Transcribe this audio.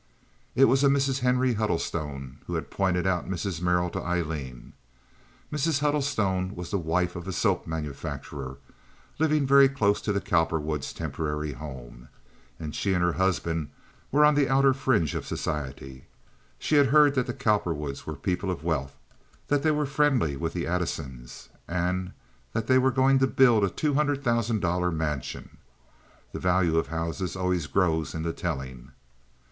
It was a Mrs. Henry Huddlestone who had pointed out Mrs. Merrill to Aileen. Mrs. Huddlestone was the wife of a soap manufacturer living very close to the Cowperwoods' temporary home, and she and her husband were on the outer fringe of society. She had heard that the Cowperwoods were people of wealth, that they were friendly with the Addisons, and that they were going to build a two hundred thousand dollar mansion. (The value of houses always grows in the telling.)